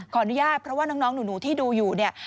ขออนุญาตเพราะว่าน้องหนูที่ดูอยู่เนี่ย